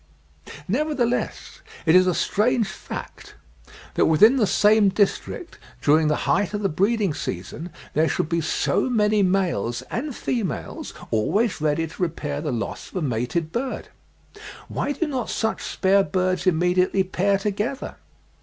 Nevertheless, it is a strange fact that within the same district, during the height of the breeding season, there should be so many males and females always ready to repair the loss of a mated bird. Why do not such spare birds immediately pair together?